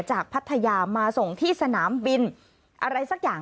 พัทยามาส่งที่สนามบินอะไรสักอย่าง